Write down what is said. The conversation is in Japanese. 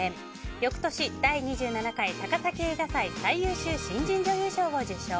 翌年、第２７回高崎映画祭最優秀新人女優賞を受賞。